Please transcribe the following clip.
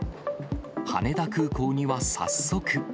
羽田空港には早速。